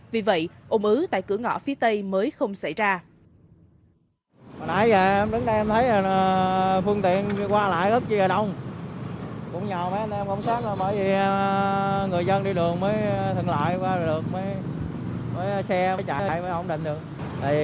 vì vậy ồn ứ tại cửa ngõ phía tây mới không xảy ra